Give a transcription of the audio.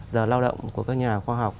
giờ lao động của các nhà khoa học